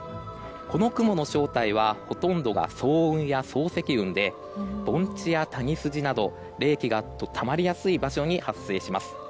この雲の正体はほとんどが層雲や層積雲で盆地や谷筋など冷気がたまりやすい場所に発生します。